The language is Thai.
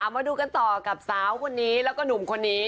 มาดูกันต่อกับสาวคนนี้แล้วก็หนุ่มคนนี้